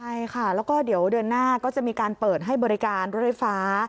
ใช่ค่ะแล้วก็เดี๋ยวเดือนหน้าก็จะมีการเปิดให้บริการรถไฟฟ้า